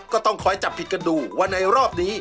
ก็ต้องคอยจับผิดกันดูว่าในรอบนี้